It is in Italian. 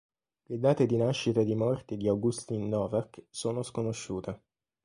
Le date di nascita e di morte di Augustin Novak sono sconosciute.